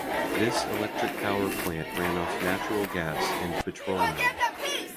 This electric power plant ran off natural gas and petroleum.